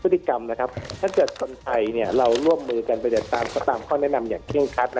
ถ้าเกิดคนไทยเราร่วมมือกันไปตามข้อแนะนำอย่างเครื่องคัด